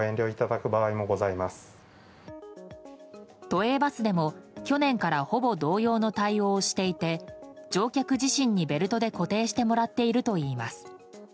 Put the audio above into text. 都営バスでも去年からほぼ同様の対応をしていて乗客自身にベルトに固定してもらっているといいます。